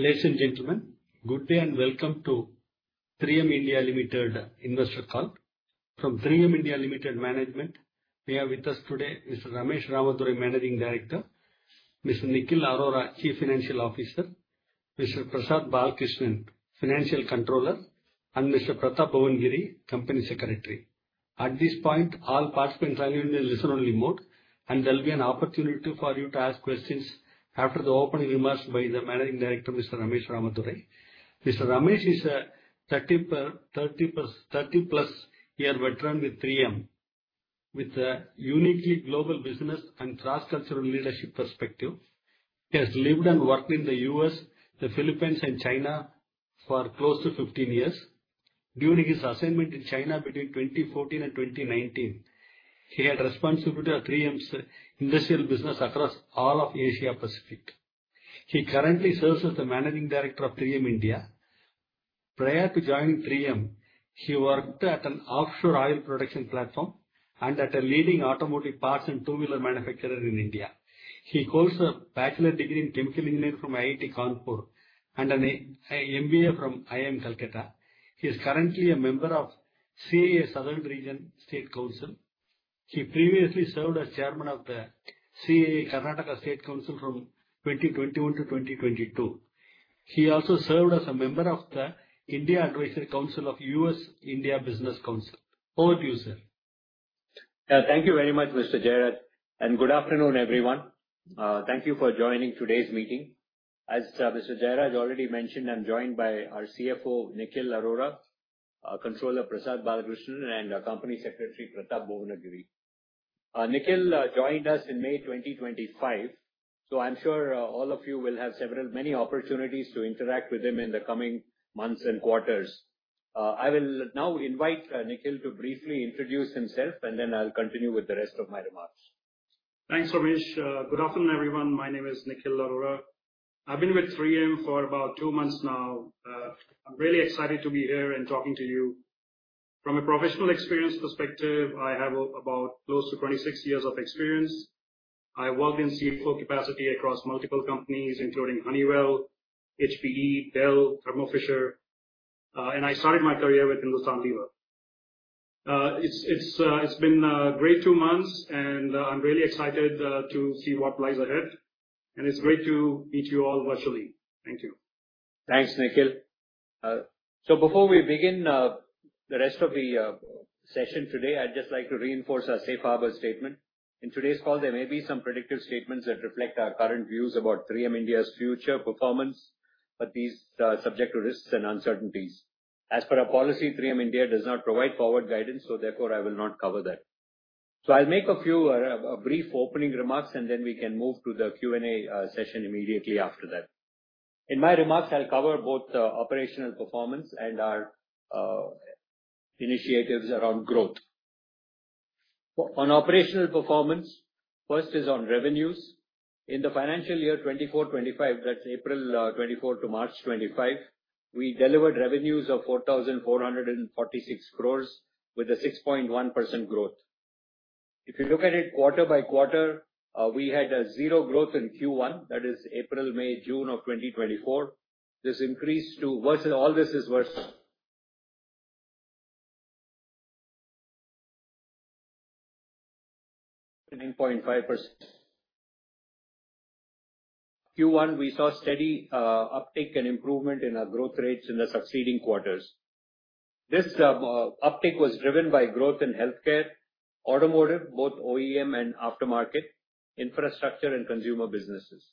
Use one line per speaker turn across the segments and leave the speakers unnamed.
Ladies and gentlemen, good day and welcome to 3M India Limited Investor Call. From 3M India Limited Management, we have with us today Mr. Ramesh Ramadurai, Managing Director; Mr. Nikhil Arora, Chief Financial Officer; Mr. Prasad Balakrishnan, Financial Controller; and Mr. Pratap Bhuvanagiri, Company Secretary. At this point, all participants are in the listen-only mode, and there will be an opportunity for you to ask questions after the opening remarks by the Managing Director, Mr. Ramesh Ramadurai. Mr. Ramesh is a 30+ year veteran with 3M, with a uniquely global business and cross-cultural leadership perspective. He has lived and worked in the U.S., the Philippines, and China for close to 15 years. During his assignment in China between 2014 and 2019, he had responsibilities at 3M's industrial business across all of Asia Pacific. He currently serves as the Managing Director of 3M India. Prior to joining 3M, he worked at an offshore oil production platform and at a leading automotive parts and two-wheeler manufacturer in India. He holds a Bachelor's Degree in Chemical Engineering from IIT Kanpur and an MBA from IIM Calcutta. He is currently a member of CII Southern Region State Council. He previously served as Chairman of the CII Karnataka State Council from 2021 to 2022. He also served as a member of the India Advisory Council of US-India Business Council. Over to you, sir.
Thank you very much, Mr. Jeraj, and good afternoon, everyone. Thank you for joining today's meeting. As Mr. Jeraj already mentioned, I'm joined by our CFO, Nikhil Arora, Controller, Prasad Balakrishnan, and our Company Secretary, Pratap Bhuvanagiri. Nikhil joined us in May 2025, so I'm sure all of you will have many opportunities to interact with him in the coming months and quarters. I will now invite Nikhil to briefly introduce himself, and then I'll continue with the rest of my remarks.
Thanks, Ramesh. Good afternoon, everyone. My name is Nikhil Arora. I've been with 3M for about two months now. I'm really excited to be here and talking to you. From a professional experience perspective, I have about close to 26 years of experience. I've worked in CFO capacity across multiple companies, including Honeywell, HPE, Dell, Thermo Fisher Scientific, and I started my career with Hindustan Unilever. It's been a great two months, and I'm really excited to see what lies ahead, and it's great to meet you all virtually. Thank you.
Thanks, Nikhil. Before we begin the rest of the session today, I'd just like to reinforce our safe harbor statement. In today's call, there may be some predictive statements that reflect our current views about 3M India's future performance, but these are subject to risks and uncertainties. As per our policy, 3M India does not provide forward guidance, so therefore I will not cover that. I'll make a few brief opening remarks, and then we can move to the Q&A session immediately after that. In my remarks, I'll cover both operational performance and our initiatives around growth. On operational performance, first is on revenues. In the financial year 2024-2025, that's April 2024 to March 2025, we delivered revenues of 4,446 crore with a 6.1% growth. If you look at it quarter by quarter, we had zero growth in Q1, that is April, May, June of 2024. This increased to, all this is worth 9.5%. Q1, we saw steady uptake and improvement in our growth rates in the succeeding quarters. This uptake was driven by growth in healthcare, automotive, both OEM and aftermarket, infrastructure, and consumer businesses.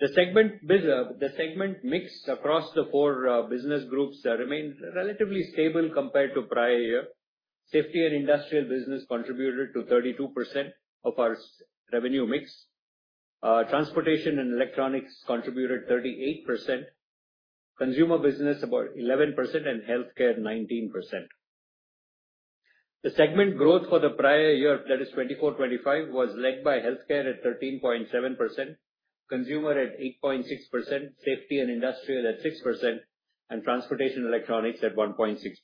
The segment mix across the four business groups remained relatively stable compared to prior year. Safety and industrial business contributed to 32% of our revenue mix. Transportation and electronics contributed 38%, consumer business about 11%, and healthcare 19%. The segment growth for the prior year, that is 2024-2025, was led by healthcare at 13.7%, consumer at 8.6%, safety and industrial at 6%, and transportation electronics at 1.6%.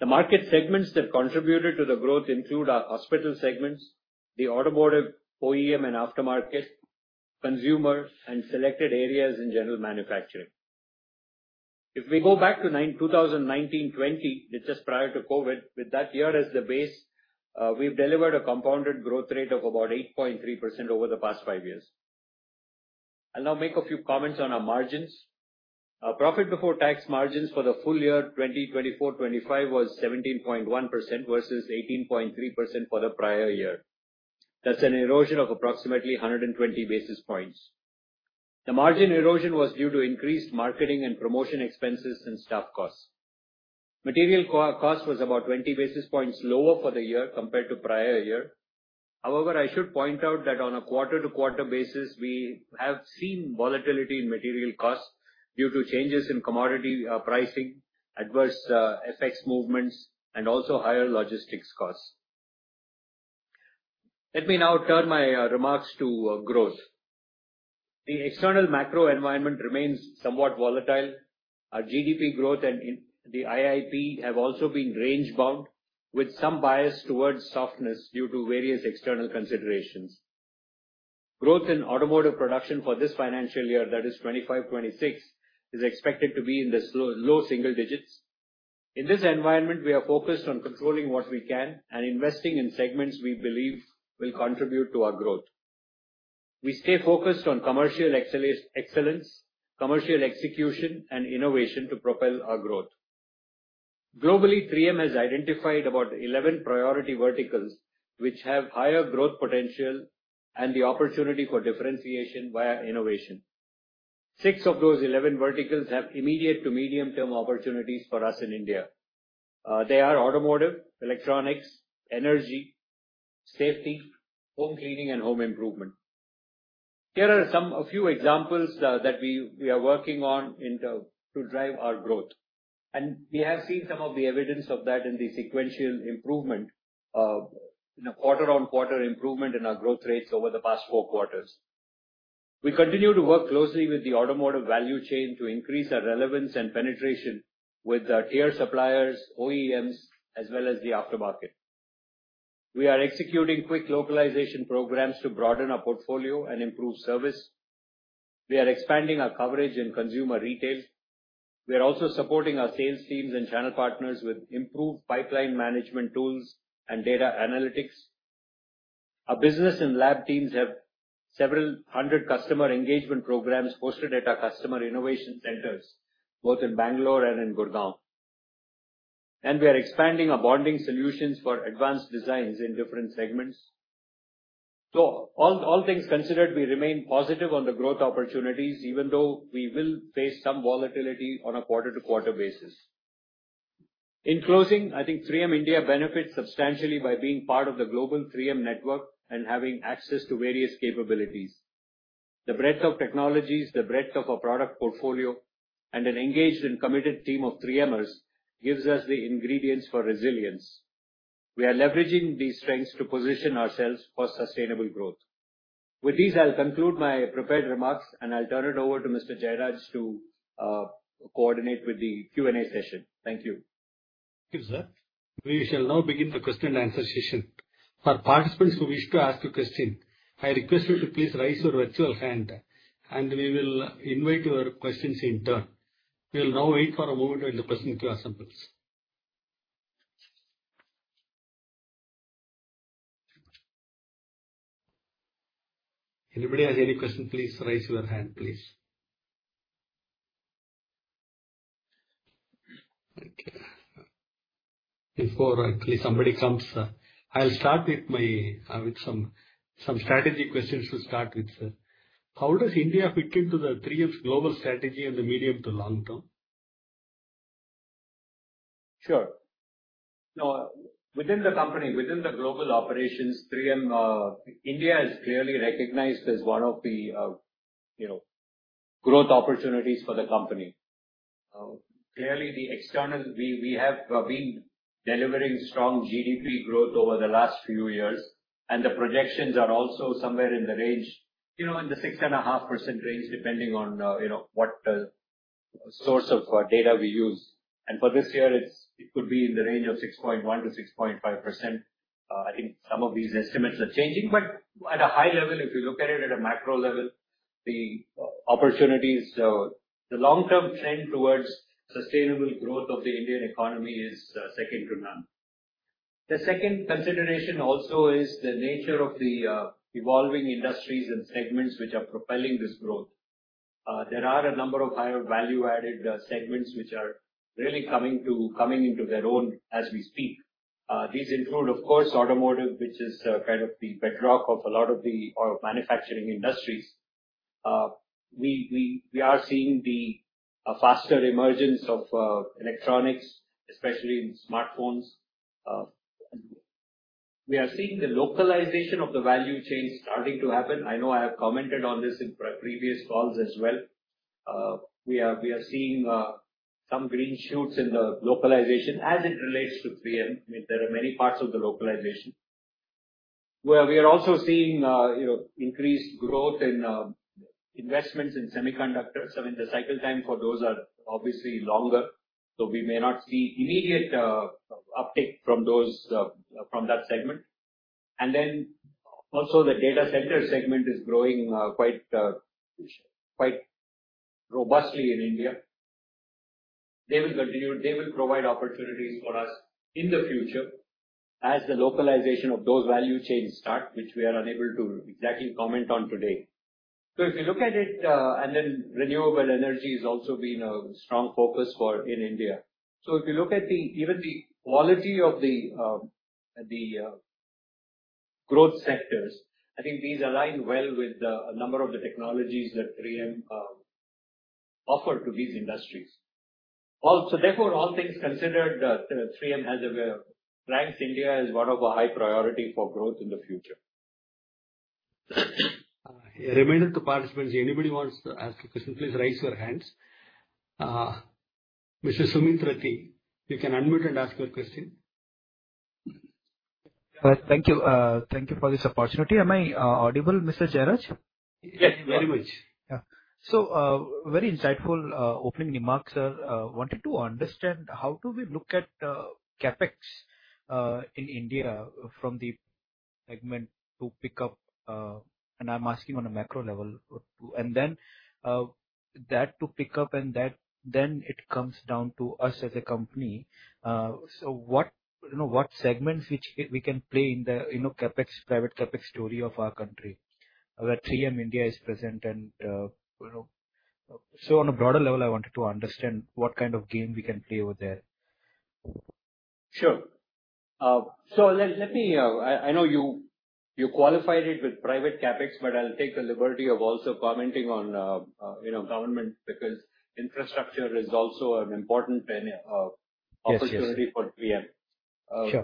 The market segments that contributed to the growth include our hospital segments, the automotive, OEM, and aftermarket, consumer, and selected areas in general manufacturing. If we go back to 2019-2020, just prior to COVID, with that year as the base, we've delivered a compounded growth rate of about 8.3% over the past five years. I'll now make a few comments on our margins. Profit before tax margins for the full year 2024-2025 was 17.1% versus 18.3% for the prior year. That's an erosion of approximately 120 basis points. The margin erosion was due to increased marketing and promotion expenses and staff costs. Material cost was about 20 basis points lower for the year compared to prior year. However, I should point out that on a quarter-to-quarter basis, we have seen volatility in material costs due to changes in commodity pricing, adverse effects movements, and also higher logistics costs. Let me now turn my remarks to growth. The external macro environment remains somewhat volatile. Our GDP growth and the IIP have also been range-bound with some bias towards softness due to various external considerations. Growth in automotive production for this financial year, that is 2025-2026, is expected to be in the low single digits. In this environment, we are focused on controlling what we can and investing in segments we believe will contribute to our growth. We stay focused on commercial excellence, commercial execution, and innovation to propel our growth. Globally, 3M has identified about 11 priority verticals which have higher growth potential and the opportunity for differentiation via innovation. Six of those 11 verticals have immediate to medium-term opportunities for us in India. They are automotive, electronics, energy, safety, home cleaning, and home improvement. Here are a few examples that we are working on to drive our growth. We have seen some of the evidence of that in the sequential improvement, quarter-on-quarter improvement in our growth rates over the past four quarters. We continue to work closely with the automotive value chain to increase our relevance and penetration with tier suppliers, OEMs, as well as the aftermarket. We are executing quick localization programs to broaden our portfolio and improve service. We are expanding our coverage in consumer retail. We are also supporting our sales teams and channel partners with improved pipeline management tools and data analytics. Our business and lab teams have several hundred customer engagement programs hosted at our customer innovation centers, both in Bangalore and in Gurgaon. We are expanding our bonding solutions for advanced designs in different segments. All things considered, we remain positive on the growth opportunities, even though we will face some volatility on a quarter-to-quarter basis. In closing, I think 3M India benefits substantially by being part of the global 3M network and having access to various capabilities. The breadth of technologies, the breadth of our product portfolio, and an engaged and committed team of 3Mers gives us the ingredients for resilience. We are leveraging these strengths to position ourselves for sustainable growth. With these, I'll conclude my prepared remarks, and I'll turn it over to Mr. Jeraj to coordinate with the Q&A session. Thank you.
Thank you, sir. We shall now begin the question-and-answer session. For participants who wish to ask a question, I request you to please raise your virtual hand, and we will invite your questions in turn. We'll now wait for a moment when the question queue assembles. Anybody has any questions, please raise your hand, please. Okay. Before at least somebody comes, I'll start with some strategy questions. We'll start with, sir. How does India fit into 3M's global strategy in the medium to long term?
Sure. Within the global operations, 3M India is clearly recognized as one of the growth opportunities for the company. Clearly, we have been delivering strong GDP growth over the last few years, and the projections are also somewhere in the range, in the 6.5% range, depending on what source of data we use. For this year, it could be in the range of 6.1%-6.5%. I think some of these estimates are changing, but at a high level, if you look at it at a macro level, the opportunities, the long-term trend towards sustainable growth of the Indian economy is second to none. The second consideration also is the nature of the evolving industries and segments which are propelling this growth. There are a number of higher value-added segments which are really coming into their own as we speak. These include, of course, automotive, which is kind of the bedrock of a lot of the manufacturing industries. We are seeing the faster emergence of electronics, especially in smartphones. We are seeing the localization of the value chain starting to happen. I know I have commented on this in previous calls as well. We are seeing some green shoots in the localization as it relates to 3M. There are many parts of the localization. We are also seeing increased growth in investments in semiconductors. I mean, the cycle time for those are obviously longer, so we may not see immediate uptake from that segment. Also, the data center segment is growing quite robustly in India. They will provide opportunities for us in the future as the localization of those value chains start, which we are unable to exactly comment on today. If you look at it, and then renewable energy has also been a strong focus in India. If you look at even the quality of the growth sectors, I think these align well with a number of the technologies that 3M offered to these industries. Therefore, all things considered, 3M ranks India as one of our high priorities for growth in the future.
Remaining to participants, anybody wants to ask a question, please raise your hands. Mr. Sumit Rathi, you can unmute and ask your question.
Thank you for this opportunity. Am I audible, Mr. Jeraj?
Yes, very much.
Yeah. Very insightful opening remarks, sir. I wanted to understand how do we look at CapEx in India from the segment to pick up, and I'm asking on a macro level, and then that to pick up, and then it comes down to us as a company. What segments can we play in the private CapEx story of our country where 3M India is present? On a broader level, I wanted to understand what kind of game we can play over there.
Sure. Let me know. I know you qualified it with private CapEx, but I'll take the liberty of also commenting on government because infrastructure is also an important opportunity for 3M.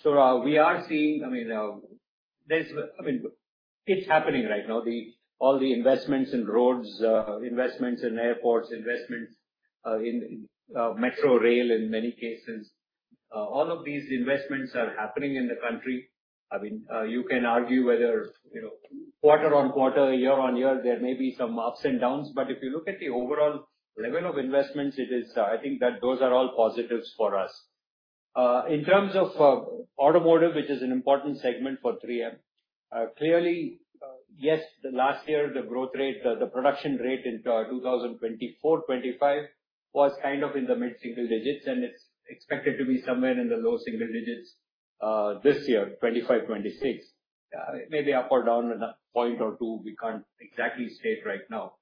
Sure.
We are seeing, I mean, it's happening right now. All the investments in roads, investments in airports, investments in metro rail in many cases, all of these investments are happening in the country. I mean, you can argue whether quarter on quarter, year on year, there may be some ups and downs, but if you look at the overall level of investments, I think that those are all positives for us. In terms of automotive, which is an important segment for 3M, clearly, yes, last year, the growth rate, the production rate in 2024-2025 was kind of in the mid-single digits, and it's expected to be somewhere in the low single digits this year, 2025-2026, maybe up or down a point or two. We can't exactly state right now.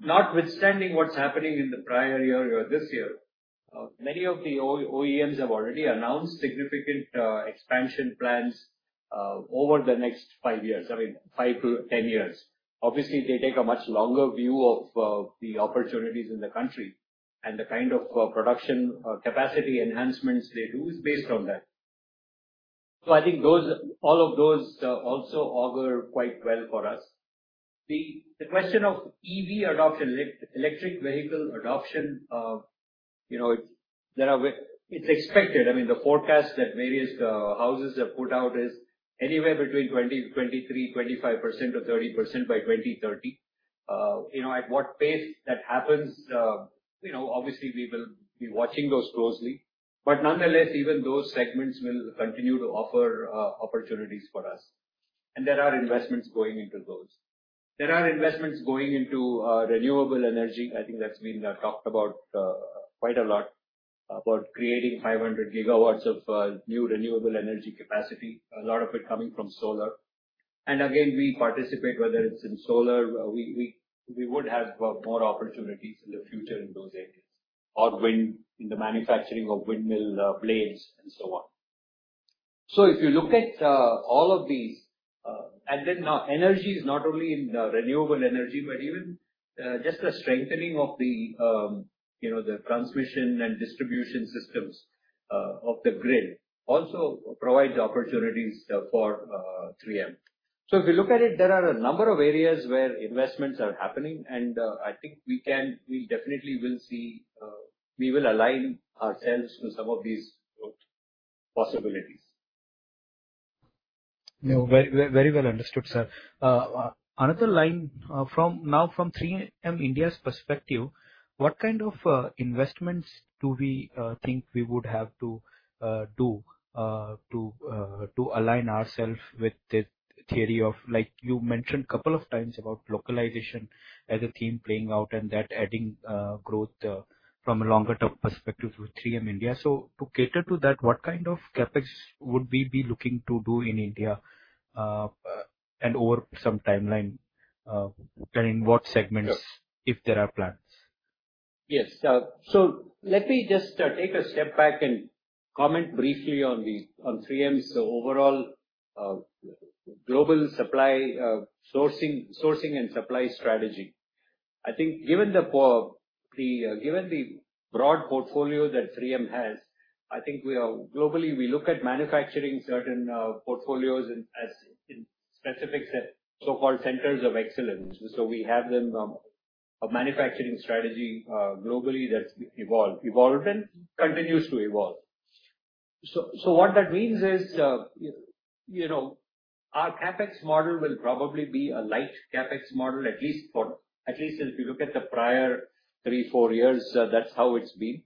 Notwithstanding what's happening in the prior year or this year, many of the OEMs have already announced significant expansion plans over the next five years, I mean, 5-10 years. Obviously, they take a much longer view of the opportunities in the country, and the kind of production capacity enhancements they do is based on that. I think all of those also augur quite well for us. The question of EV adoption, electric vehicle adoption, it's expected. I mean, the forecast that various houses have put out is anywhere between 20%, 23%, 25%, or 30% by 2030. At what pace that happens, obviously, we will be watching those closely. Nonetheless, even those segments will continue to offer opportunities for us. There are investments going into those. There are investments going into renewable energy. I think that's been talked about quite a lot, about creating 500 GW of new renewable energy capacity, a lot of it coming from solar. Again, we participate, whether it's in solar, we would have more opportunities in the future in those areas, or in the manufacturing of windmill blades and so on. If you look at all of these, energy is not only in renewable energy, but even just the strengthening of the transmission and distribution systems of the grid also provides opportunities for 3M. If you look at it, there are a number of areas where investments are happening, and I think we definitely will see we will align ourselves to some of these possibilities.
Very well understood, sir. Another line now from 3M India's perspective, what kind of investments do we think we would have to do to align ourselves with the theory of, like you mentioned a couple of times about localization as a theme playing out and that adding growth from a longer-term perspective with 3M India? To cater to that, what kind of CapEx would we be looking to do in India and over some timeline? In what segments, if there are plans?
Yes. Let me just take a step back and comment briefly on 3M's overall global supply sourcing and supply strategy. I think given the broad portfolio that 3M has, globally, we look at manufacturing certain portfolios in specific so-called centers of excellence. We have a manufacturing strategy globally that has evolved and continues to evolve. What that means is our CapEx model will probably be a light CapEx model, at least if you look at the prior three or four years, that is how it has been.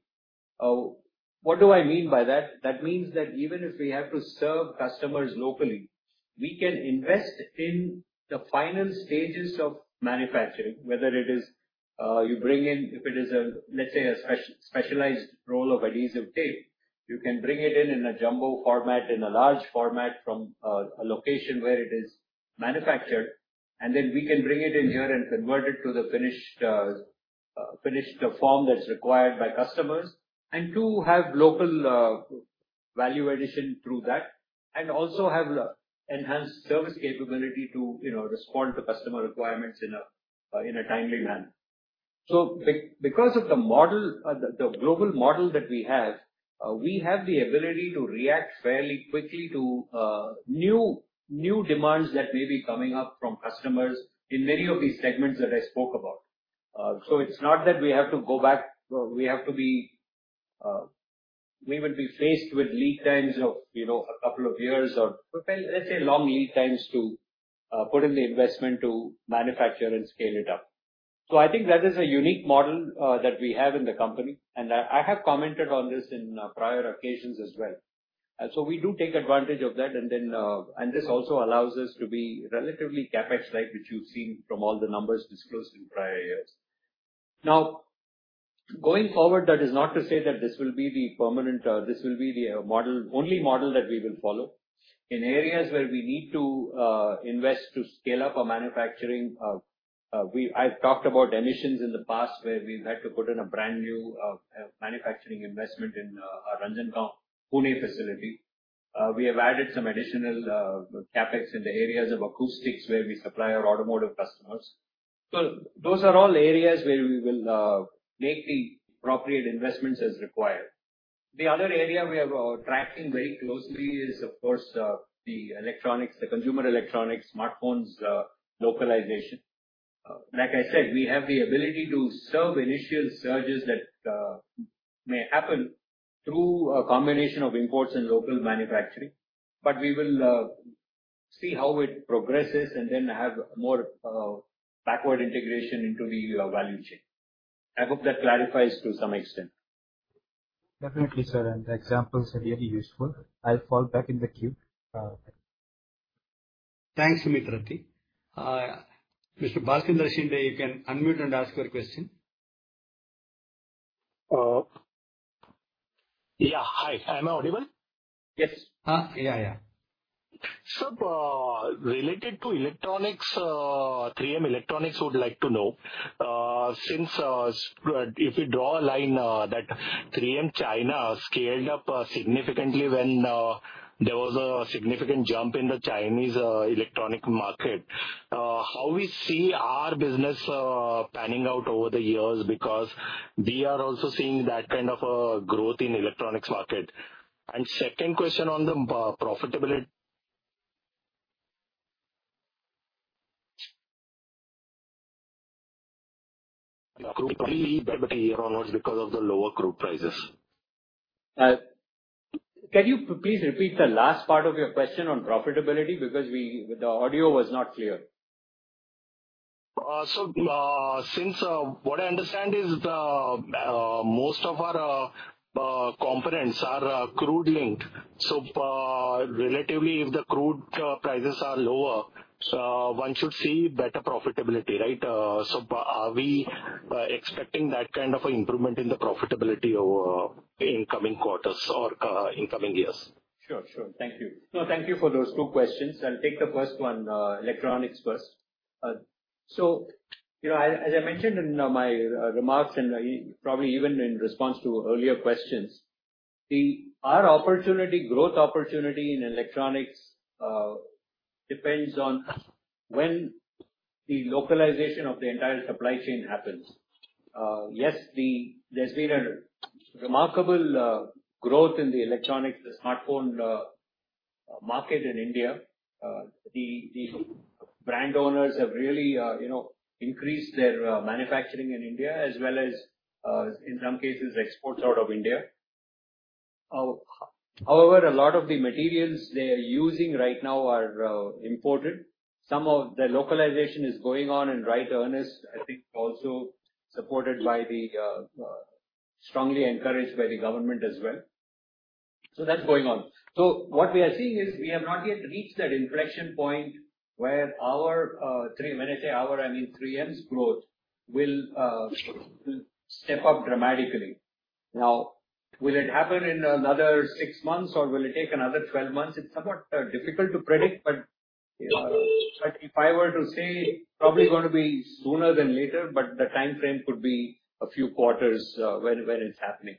What do I mean by that? That means that even if we have to serve customers locally, we can invest in the final stages of manufacturing, whether it is you bring in, if it is, let's say, a specialized roll of adhesive tape, you can bring it in in a jumbo format, in a large format from a location where it is manufactured, and then we can bring it in here and convert it to the finished form that's required by customers, and two, have local value addition through that, and also have enhanced service capability to respond to customer requirements in a timely manner. Because of the global model that we have, we have the ability to react fairly quickly to new demands that may be coming up from customers in many of these segments that I spoke about. It's not that we have to go back. We have to be, we would be faced with lead times of a couple of years or, let's say, long lead times to put in the investment to manufacture and scale it up. I think that is a unique model that we have in the company, and I have commented on this in prior occasions as well. We do take advantage of that, and this also allows us to be relatively CapEx-light, which you've seen from all the numbers disclosed in prior years. Now, going forward, that is not to say that this will be the permanent, this will be the only model that we will follow in areas where we need to invest to scale up our manufacturing. I've talked about emissions in the past where we've had to put in a brand new manufacturing investment in our Ranjangaon Pune facility. We have added some additional CapEx in the areas of acoustics where we supply our automotive customers. Those are all areas where we will make the appropriate investments as required. The other area we are tracking very closely is, of course, the consumer electronics, smartphones localization. Like I said, we have the ability to serve initial surges that may happen through a combination of imports and local manufacturing, but we will see how it progresses and then have more backward integration into the value chain. I hope that clarifies to some extent.
Definitely, sir. The examples are really useful. I'll fall back in the queue.
Thanks, Sumit Rathi. Mr. Balakrishnan Shinde, you can unmute and ask your question.
Yeah. Hi. Am I audible?
Yes.
Yeah, yeah. Related to electronics, 3M Electronics would like to know, since if we draw a line that 3M China scaled up significantly when there was a significant jump in the Chinese electronic market, how we see our business panning out over the years because we are also seeing that kind of growth in the electronics market. Second question on the profitability.
Yeah. Group. Yeah.
Here onwards because of the lower group prices.
Can you please repeat the last part of your question on profitability because the audio was not clear?
Since what I understand is most of our components are crude-linked, so relatively, if the crude prices are lower, one should see better profitability, right? Are we expecting that kind of an improvement in the profitability in coming quarters or in coming years?
Sure, sure. Thank you. No, thank you for those two questions. I'll take the first one, electronics first. As I mentioned in my remarks and probably even in response to earlier questions, our growth opportunity in electronics depends on when the localization of the entire supply chain happens. Yes, there has been a remarkable growth in electronics, the smartphone market in India. The brand owners have really increased their manufacturing in India, as well as, in some cases, exports out of India. However, a lot of the materials they are using right now are imported. Some of the localization is going on in right earnest, I think also supported by the, strongly encouraged by the government as well. That is going on. What we are seeing is we have not yet reached that inflection point where our 3M, when I say our, I mean 3M's growth will step up dramatically. Now, will it happen in another six months, or will it take another 12 months? It is somewhat difficult to predict, but if I were to say, probably going to be sooner than later, but the timeframe could be a few quarters when it is happening.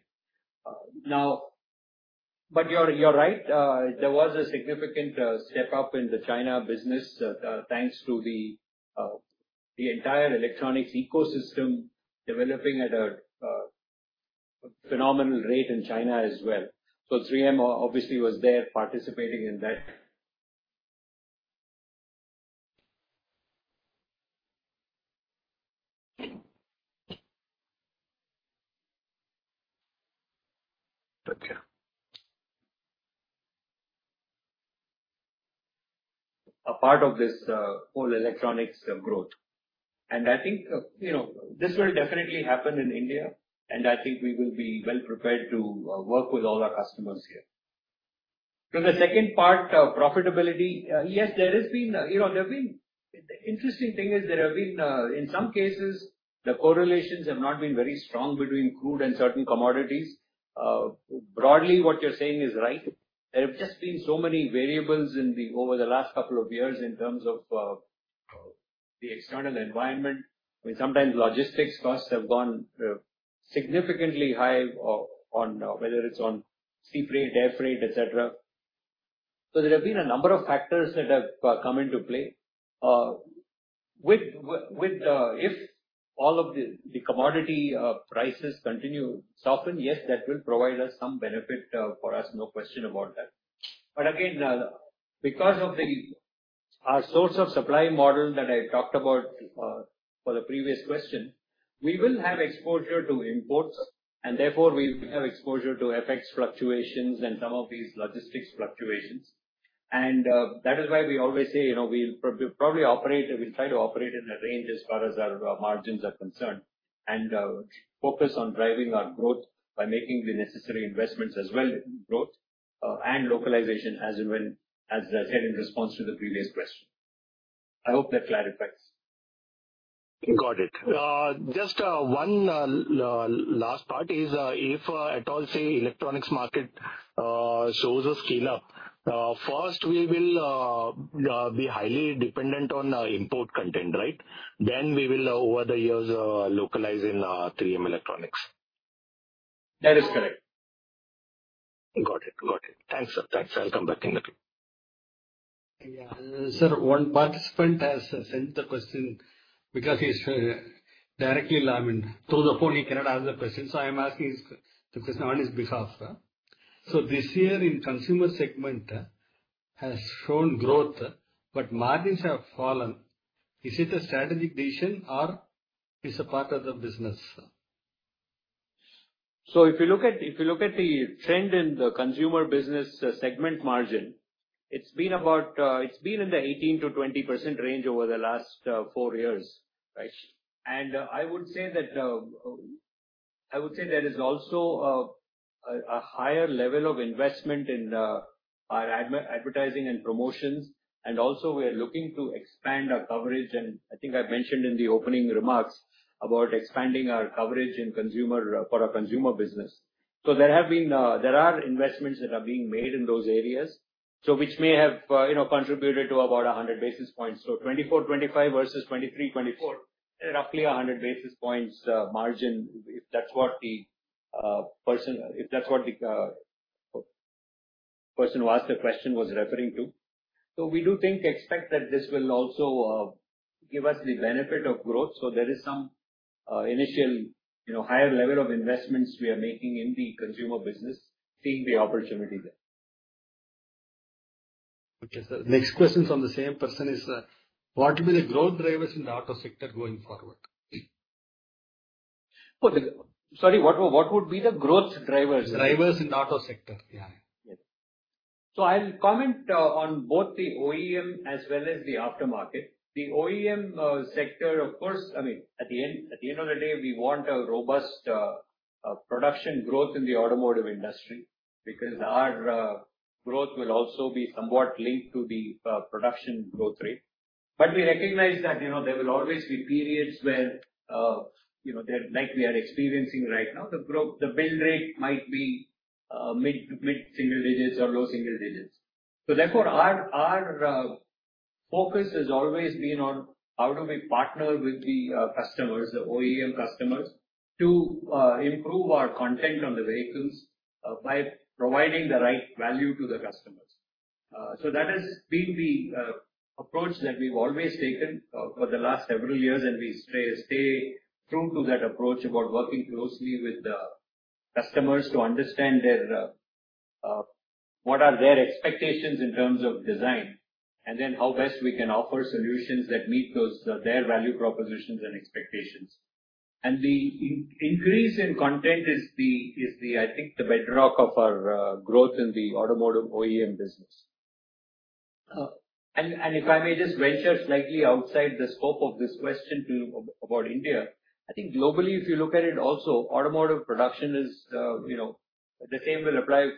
You are right. There was a significant step up in the China business thanks to the entire electronics ecosystem developing at a phenomenal rate in China as well. 3M obviously was there participating in that.
Okay.
A part of this whole electronics growth. I think this will definitely happen in India, and I think we will be well prepared to work with all our customers here. The second part, profitability, yes, there has been—the interesting thing is there have been, in some cases, the correlations have not been very strong between crude and certain commodities. Broadly, what you're saying is right. There have just been so many variables over the last couple of years in terms of the external environment. I mean, sometimes logistics costs have gone significantly high, whether it's on sea freight, air freight, etc. There have been a number of factors that have come into play. If all of the commodity prices continue to soften, yes, that will provide us some benefit, no question about that. Again, because of our source of supply model that I talked about for the previous question, we will have exposure to imports, and therefore we will have exposure to FX fluctuations and some of these logistics fluctuations. That is why we always say we'll probably operate and we'll try to operate in a range as far as our margins are concerned and focus on driving our growth by making the necessary investments as well in growth and localization, as I said in response to the previous question. I hope that clarifies.
Got it. Just one last part is, if at all, say, the electronics market shows a scale-up, first, we will be highly dependent on import content, right? Then we will, over the years, localize in 3M Electronics.
That is correct.
Got it. Got it. Thanks, sir. Thanks. I'll come back in the queue.
Yeah. Sir, one participant has sent the question because he's directly through the phone. He cannot answer the question. I'm asking the question on his behalf. This year, in the consumer segment, has shown growth, but margins have fallen. Is it a strategic decision, or is it a part of the business?
If you look at the trend in the consumer business segment margin, it's been in the 18%-20% range over the last four years, right? I would say there is also a higher level of investment in our advertising and promotions, and also we are looking to expand our coverage. I think I mentioned in the opening remarks about expanding our coverage for our consumer business. There are investments that are being made in those areas, which may have contributed to about 100 basis points. For 2024/2025 versus 2023/2024, roughly 100 basis points margin, if that's what the person who asked the question was referring to. We do think, expect that this will also give us the benefit of growth. There is some initial higher level of investments we are making in the consumer business, seeing the opportunity there.
Okay. The next question is on the same person, what will be the growth drivers in the auto sector going forward?
Sorry, what would be the growth drivers?
Drivers in the auto sector. Yeah.
I'll comment on both the OEM as well as the aftermarket. The OEM sector, of course, I mean, at the end of the day, we want a robust production growth in the automotive industry because our growth will also be somewhat linked to the production growth rate. I mean, we recognize that there will always be periods where, like we are experiencing right now, the build rate might be mid-single digits or low single digits. Therefore, our focus has always been on how do we partner with the customers, the OEM customers, to improve our content on the vehicles by providing the right value to the customers. That has been the approach that we've always taken for the last several years, and we stay true to that approach about working closely with the customers to understand what are their expectations in terms of design, and then how best we can offer solutions that meet their value propositions and expectations. The increase in content is, I think, the bedrock of our growth in the automotive OEM business. If I may just venture slightly outside the scope of this question about India, I think globally, if you look at it also, automotive production is the same will apply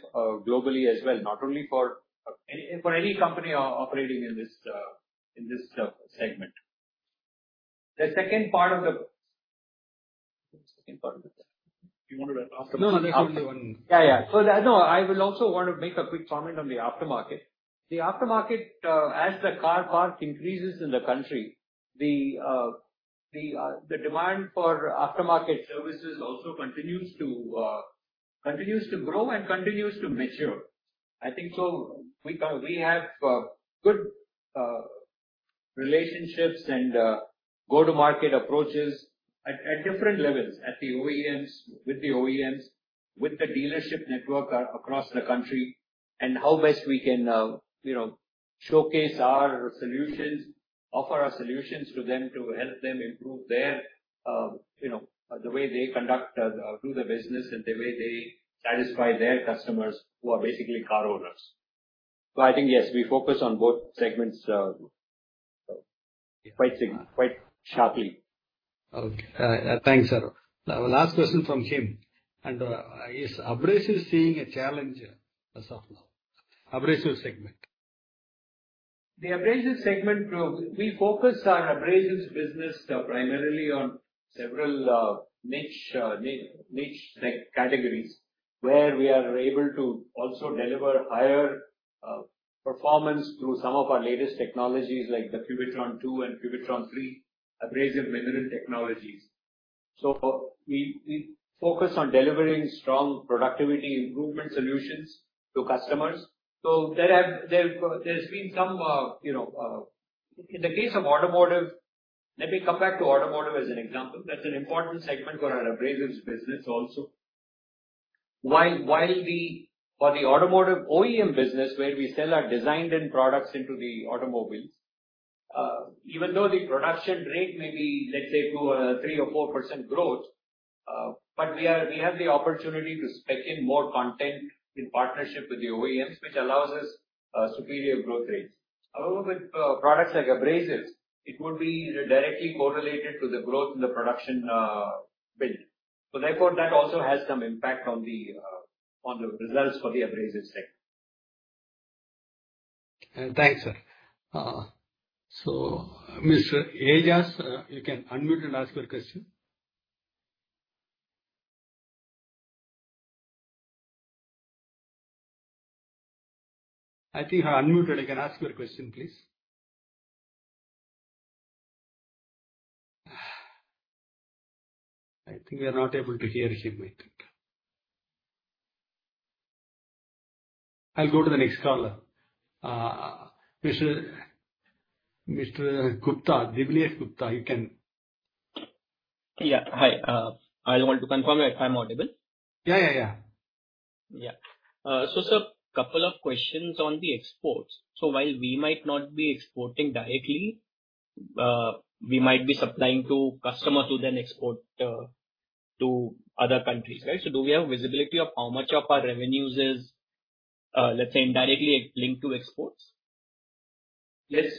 globally as well, not only for any company operating in this segment. The second part of the second part of the second.
You wanted to ask the question?
No, that's only one.
Yeah, yeah. No, I will also want to make a quick comment on the aftermarket. The aftermarket, as the car park increases in the country, the demand for aftermarket services also continues to grow and continues to mature. I think we have good relationships and go-to-market approaches at different levels, with the OEMs, with the dealership network across the country, and how best we can showcase our solutions, offer our solutions to them to help them improve the way they conduct the business and the way they satisfy their customers who are basically car owners. I think, yes, we focus on both segments quite sharply.
Okay. Thanks, sir. Now, last question from him. Is Abrasives seeing a challenge as of now? Abrasives segment.
The Abrasives segment, we focus our Abrasives business primarily on several niche categories where we are able to also deliver higher performance through some of our latest technologies like the Cubitron II and Cubitron III Abrasive Mineral Technologies. We focus on delivering strong productivity improvement solutions to customers. There's been some, in the case of automotive, let me come back to automotive as an example. That's an important segment for our Abrasives business also. While for the automotive OEM business, where we sell our designed-in products into the automobiles, even though the production rate may be, let's say, 3% or 4% growth, we have the opportunity to spec in more content in partnership with the OEMs, which allows us superior growth rates. However, with products like Abrasives, it would be directly correlated to the growth in the production build. Therefore, that also has some impact on the results for the Abrasives segment.
Thanks, sir. Mr. Yejas, you can unmute and ask your question. I think you are unmuted. You can ask your question, please. I think we are not able to hear him. I will go to the next caller. Mr. Gupta, Divlyh Gupta, you can.
Yeah. Hi. I want to confirm if I'm audible.
Yeah, yeah.
Yeah. Sir, a couple of questions on the exports. While we might not be exporting directly, we might be supplying to customers who then export to other countries, right? Do we have visibility of how much of our revenues is, let's say, indirectly linked to exports?
Yes,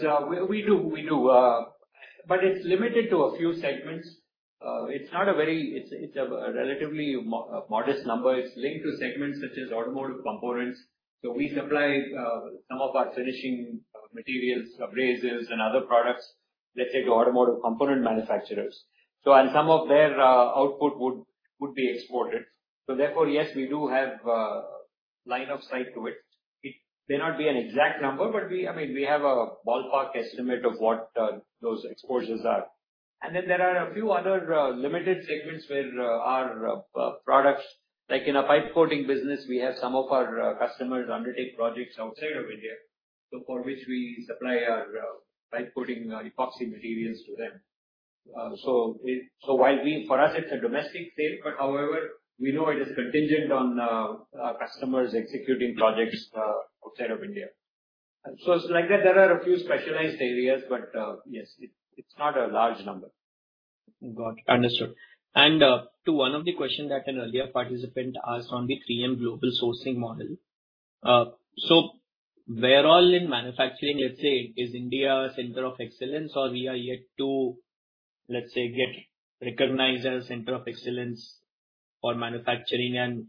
we do. We do. But it's limited to a few segments. It's not a very, it's a relatively modest number. It's linked to segments such as automotive components. We supply some of our finishing materials, abrasives, and other products, let's say, to automotive component manufacturers. Some of their output would be exported. Therefore, yes, we do have line of sight to it. It may not be an exact number, but I mean, we have a ballpark estimate of what those exposures are. There are a few other limited segments where our products, like in a pipe coating business, we have some of our customers undertake projects outside of India, for which we supply our pipe coating epoxy materials to them. For us, it's a domestic sale, but however, we know it is contingent on our customers executing projects outside of India. It's like that there are a few specialized areas, but yes, it's not a large number.
Got it. Understood. To one of the questions that an earlier participant asked on the 3M global sourcing model, where all in manufacturing, let's say, is India a center of excellence, or are we yet to, let's say, get recognized as a center of excellence for manufacturing?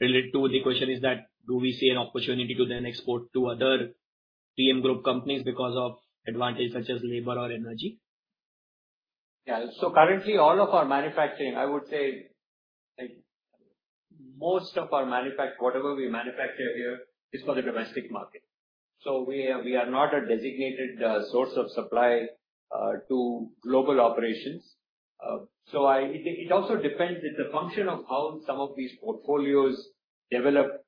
Related to the question is, do we see an opportunity to then export to other 3M group companies because of advantages such as labor or energy?
Yeah. Currently, all of our manufacturing, I would say most of our manufacturing, whatever we manufacture here, is for the domestic market. We are not a designated source of supply to global operations. It also depends on the function of how some of these portfolios develop in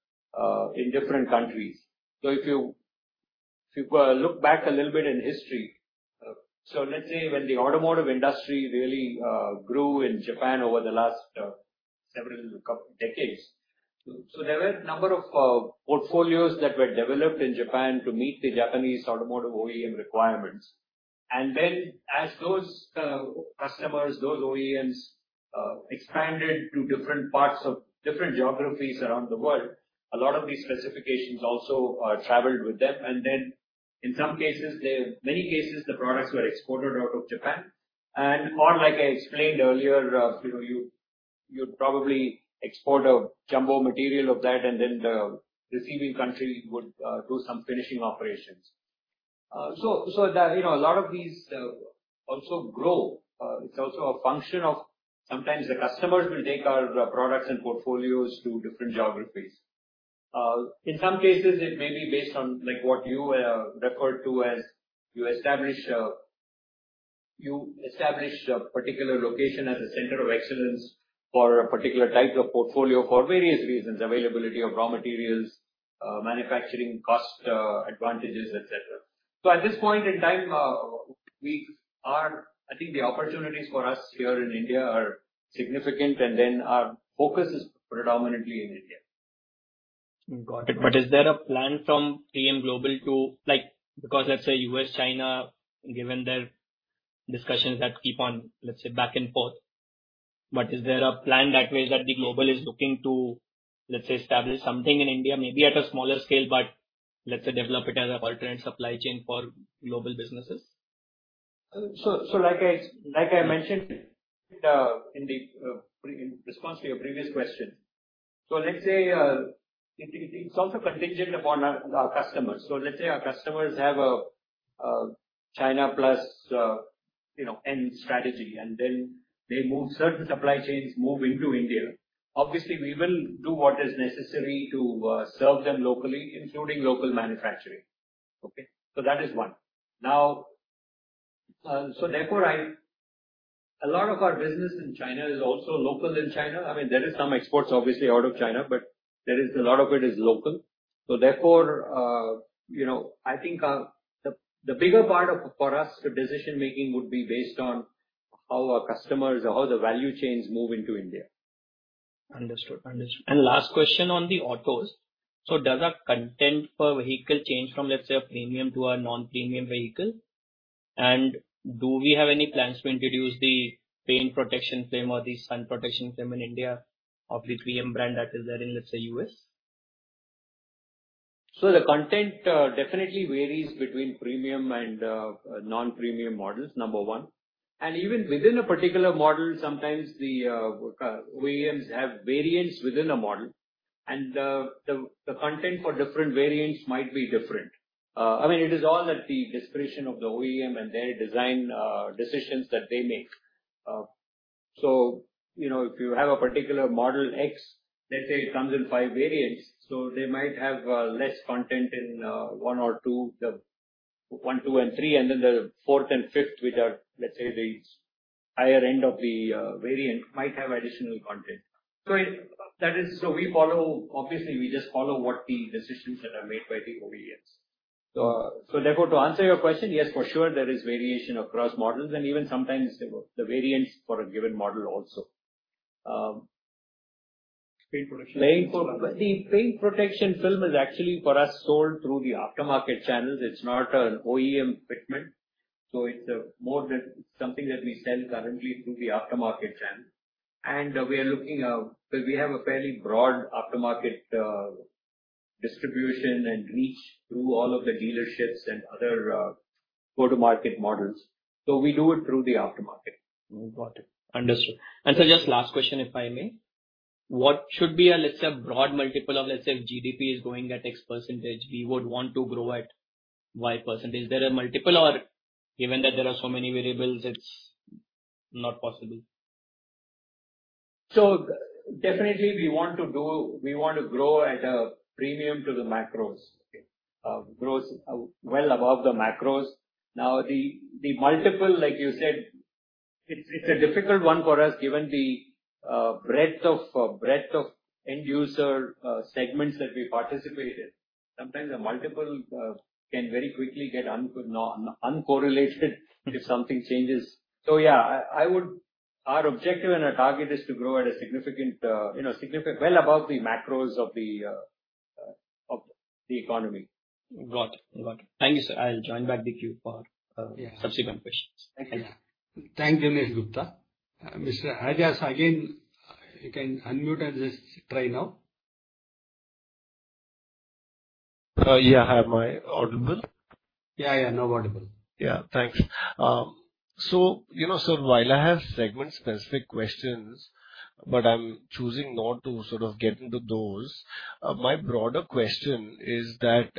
different countries. If you look back a little bit in history, let's say when the automotive industry really grew in Japan over the last several decades, there were a number of portfolios that were developed in Japan to meet the Japanese automotive OEM requirements. As those customers, those OEMs expanded to different parts of different geographies around the world, a lot of these specifications also traveled with them. In some cases, in many cases, the products were exported out of Japan. Like I explained earlier, you'd probably export a jumbo material of that, and then the receiving country would do some finishing operations. A lot of these also grow. It's also a function of sometimes the customers will take our products and portfolios to different geographies. In some cases, it may be based on what you referred to as you establish a particular location as a center of excellence for a particular type of portfolio for various reasons: availability of raw materials, manufacturing cost advantages, etc. At this point in time, I think the opportunities for us here in India are significant, and then our focus is predominantly in India.
Got it. Is there a plan from 3M Global to, because let's say U.S., China, given their discussions that keep on, let's say, back and forth, is there a plan that way that the global is looking to, let's say, establish something in India, maybe at a smaller scale, but let's say develop it as an alternate supply chain for global businesses?
Like I mentioned in response to your previous question, let's say it's also contingent upon our customers. Let's say our customers have a China plus end strategy, and then they move certain supply chains into India. Obviously, we will do what is necessary to serve them locally, including local manufacturing. That is one. Therefore, a lot of our business in China is also local in China. I mean, there are some exports, obviously, out of China, but a lot of it is local. Therefore, I think the bigger part for us, the decision-making would be based on how our customers or how the value chains move into India.
Understood. Understood. Last question on the autos. Does our content per vehicle change from, let's say, a premium to a non-premium vehicle? Do we have any plans to introduce the rain protection film or the sun protection film in India of the 3M brand that is there in, let's say, the U.S.?
The content definitely varies between premium and non-premium models, number one. Even within a particular model, sometimes the OEMs have variants within a model, and the content for different variants might be different. I mean, it is all at the discretion of the OEM and their design decisions that they make. If you have a particular model X, let's say it comes in five variants, they might have less content in one, two, and three, and then the fourth and fifth, which are, let's say, the higher end of the variant, might have additional content. We follow, obviously, we just follow what the decisions that are made by the OEMs. Therefore, to answer your question, yes, for sure, there is variation across models, and even sometimes the variants for a given model also.
Paint Protection Film. The Paint Protection Film is actually for us sold through the aftermarket channels. It's not an OEM equipment. It's something that we sell currently through the aftermarket channel. We are looking at, we have a fairly broad aftermarket distribution and reach through all of the dealerships and other go-to-market models. We do it through the aftermarket. Got it. Understood. Just last question, if I may. What should be a, let's say, a broad multiple of, let's say, if GDP is going at X %, we would want to grow at Y %? Is there a multiple, or given that there are so many variables, it's not possible?
Definitely, we want to grow at a premium to the macros, grow well above the macros. Now, the multiple, like you said, it's a difficult one for us given the breadth of end-user segments that we participate in. Sometimes a multiple can very quickly get uncorrelated if something changes. Yeah, our objective and our target is to grow at a significant well above the macros of the economy.
Got it. Got it. Thank you, sir. I'll join back with you for subsequent questions.
Thank you.
Thank you, Mr. Gupta. Mr. Yejas, again, you can unmute and just try now. Yeah, I have my audible. Yeah, yeah. No audible. Yeah. Thanks. Sir, while I have segment-specific questions, but I'm choosing not to sort of get into those, my broader question is that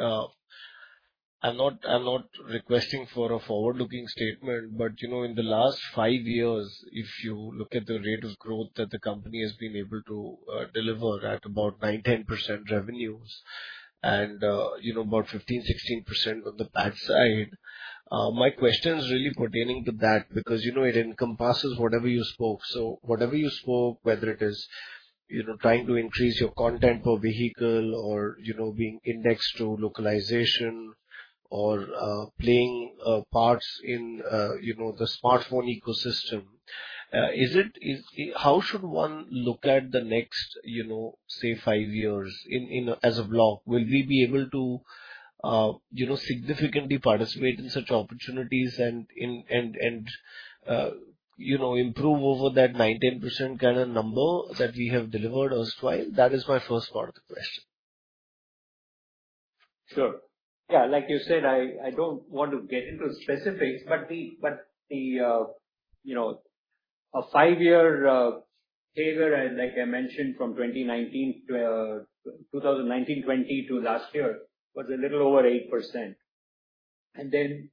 I'm not requesting for a forward-looking statement, but in the last five years, if you look at the rate of growth that the company has been able to deliver at about 9-10% revenues and about 15-16% on the back side, my question is really pertaining to that because it encompasses whatever you spoke. Whatever you spoke, whether it is trying to increase your content per vehicle or being indexed to localization or playing parts in the smartphone ecosystem, how should one look at the next, say, five years as a block? Will we be able to significantly participate in such opportunities and improve over that 9-10% kind of number that we have delivered elsewhile? That is my first part of the question.
Sure. Yeah. Like you said, I don't want to get into specifics, but a five-year figure, like I mentioned, from 2019-2020 to last year was a little over 8%. And then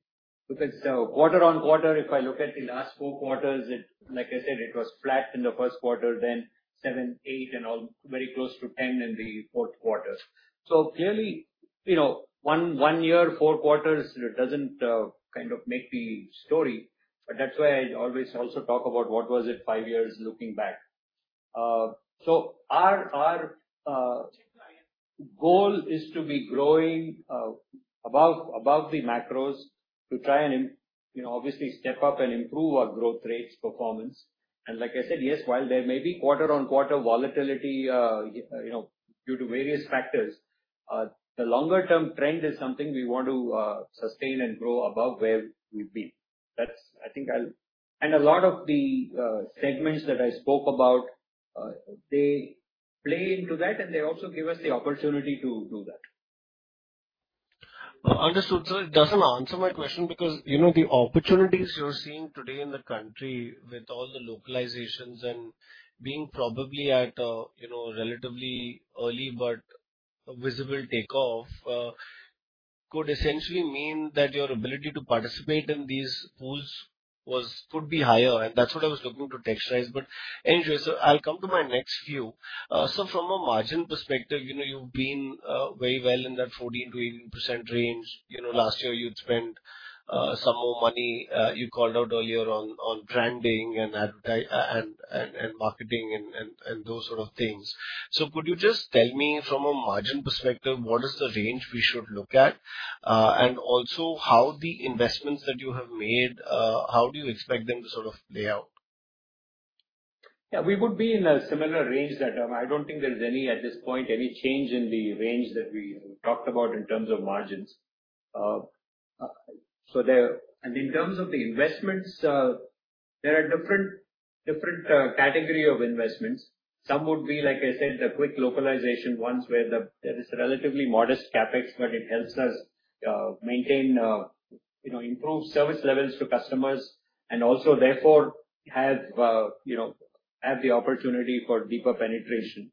because quarter on quarter, if I look at the last four quarters, like I said, it was flat in the first quarter, then 7, 8, and very close to 10 in the fourth quarter. Clearly, one year, four quarters does not kind of make the story. That is why I always also talk about what was it five years looking back. Our goal is to be growing above the macros to try and obviously step up and improve our growth rates performance. Like I said, yes, while there may be quarter on quarter volatility due to various factors, the longer-term trend is something we want to sustain and grow above where we have been. I think I'll—and a lot of the segments that I spoke about, they play into that, and they also give us the opportunity to do that. Understood. It does not answer my question because the opportunities you are seeing today in the country with all the localizations and being probably at a relatively early but visible takeoff could essentially mean that your ability to participate in these pools could be higher. That is what I was looking to texturize. Anyway, I will come to my next few. From a margin perspective, you have been very well in that 14-18% range. Last year, you had spent some more money. You called out earlier on branding and marketing and those sorts of things. Could you just tell me from a margin perspective, what is the range we should look at? Also, how the investments that you have made, how do you expect them to sort of play out? Yeah. We would be in a similar range that I do not think there is any at this point, any change in the range that we talked about in terms of margins. In terms of the investments, there are different categories of investments. Some would be, like I said, the quick localization ones where there is relatively modest CapEx, but it helps us maintain, improve service levels to customers, and also therefore have the opportunity for deeper penetration.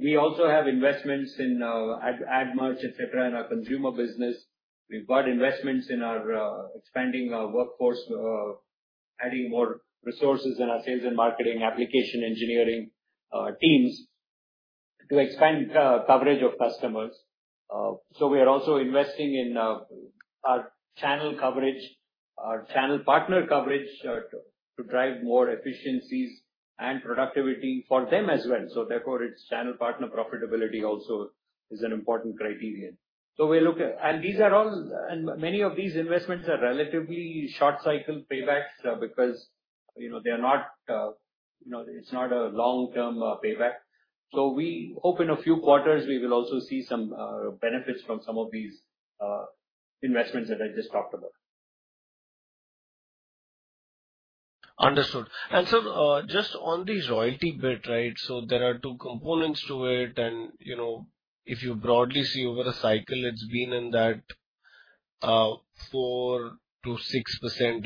We also have investments in ad merch, etc., in our consumer business. We have got investments in our expanding workforce, adding more resources in our sales and marketing application engineering teams to expand coverage of customers. We are also investing in our channel coverage, our channel partner coverage to drive more efficiencies and productivity for them as well. Therefore, its channel partner profitability also is an important criterion. We look at—and these are all—and many of these investments are relatively short-cycle paybacks because they are not—it's not a long-term payback. We hope in a few quarters, we will also see some benefits from some of these investments that I just talked about. Understood. Sir, just on the royalty bit, right? There are two components to it. If you broadly see over a cycle, it has been in that 4-6%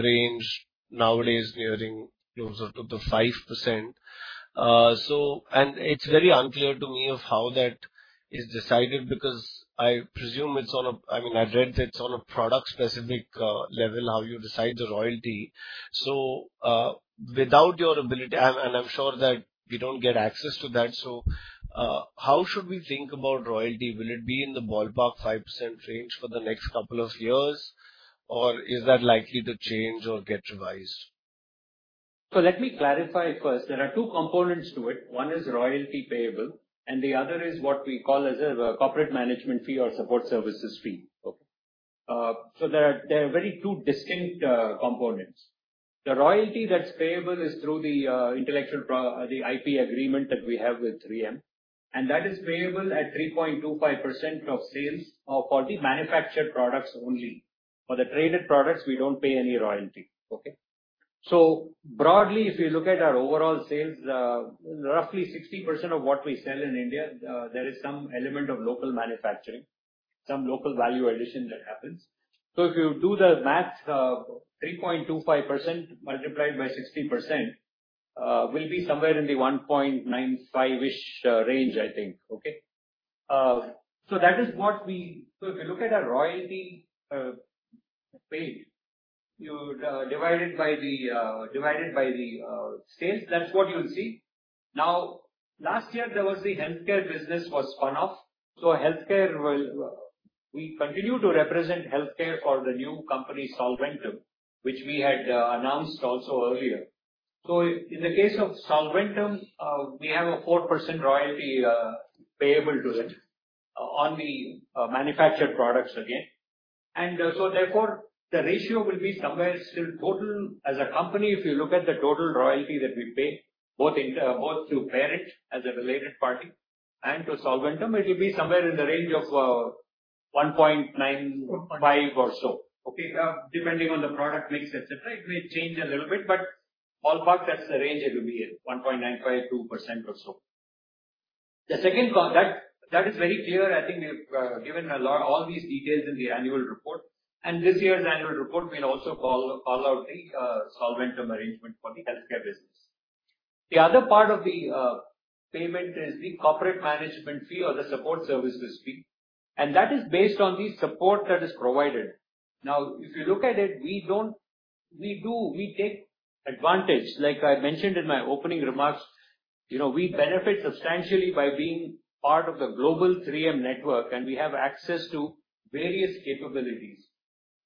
range, nowadays nearing closer to the 5%. It is very unclear to me how that is decided because I presume it is on a—I mean, I read that it is on a product-specific level how you decide the royalty. Without your ability, and I am sure that we do not get access to that, how should we think about royalty? Will it be in the ballpark 5% range for the next couple of years, or is that likely to change or get revised? Let me clarify first. There are two components to it. One is royalty payable, and the other is what we call as a corporate management fee or support services fee. There are two very distinct components. The royalty that's payable is through the intellectual IP agreement that we have with 3M, and that is payable at 3.25% of sales for the manufactured products only. For the traded products, we do not pay any royalty. Okay? Broadly, if you look at our overall sales, roughly 60% of what we sell in India, there is some element of local manufacturing, some local value addition that happens. If you do the math, 3.25% multiplied by 60% will be somewhere in the 1.95% range, I think. Okay? That is what we—if you look at our royalty paid, you divide it by the sales, that is what you will see. Now, last year, there was the healthcare business was spun off. Healthcare, we continue to represent healthcare for the new company, Solventum, which we had announced also earlier. In the case of Solventum, we have a 4% royalty payable to it on the manufactured products again. Therefore, the ratio will be somewhere still total as a company. If you look at the total royalty that we pay, both to parent as a related party and to Solventum, it will be somewhere in the range of 1.95% or so. Depending on the product mix, etc., it may change a little bit, but ballpark, that is the range it will be at 1.95%-2% or so. The second, that is very clear. I think we have given all these details in the annual report. This year's annual report will also call out the Solventum arrangement for the healthcare business. The other part of the payment is the corporate management fee or the support services fee. That is based on the support that is provided. If you look at it, we do take advantage. Like I mentioned in my opening remarks, we benefit substantially by being part of the global 3M network, and we have access to various capabilities.